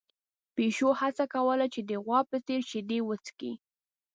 پيشو هڅه کوله چې د غوا په څېر شیدې وڅښي.